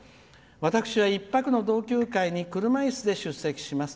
私は、１泊の同級会に車いすで出席します。